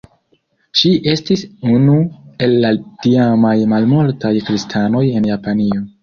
Ŝi estis unu el la tiamaj malmultaj kristanoj en Japanio.